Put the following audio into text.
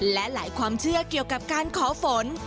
และหลายความเชื่อเกี่ยวกับการขอฝน